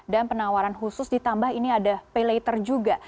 dan penawaran khusus ditambah ini ada pay later juga